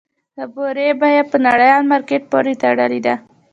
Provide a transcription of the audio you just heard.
د بورې بیه په نړیوال مارکیټ پورې تړلې ده؟